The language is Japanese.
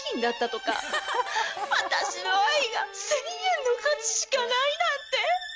私の愛が１，０００円の価値しかないなんて。